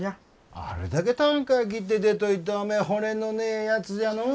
あれだけたんかあ切って出といておめえ骨のねえやつじゃのお。